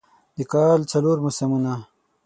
د کال څلور موسمونه